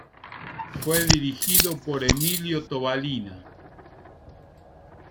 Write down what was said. Fue dirigido por Emilio Tobalina.